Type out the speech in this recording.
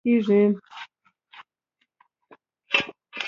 افغانستان کې لعل د هنر په اثار کې منعکس کېږي.